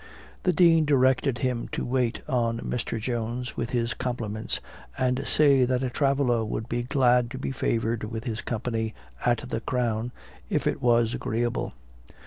The Dean directed him to wait on Mr. Jones, with his compliments, and say that a traveller would be glad to be favored with his company at the Crown, if it was agreeable.